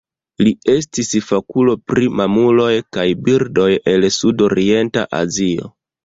Li estis fakulo pri mamuloj kaj birdoj el Sudorienta Azio.